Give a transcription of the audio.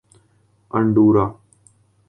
Andorra